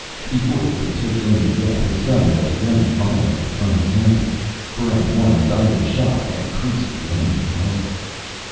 Before he could take aim again, his gun was wrenched violently from his hand. Barrent 1's dying shot had creased the end of the muzzle.